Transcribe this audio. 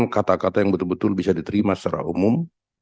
kata kata yang betul betul bisa diterima secara umum